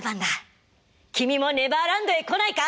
君もネバーランドへ来ないか？」